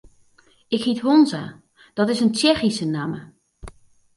Ik hyt Honza, dat is in Tsjechyske namme.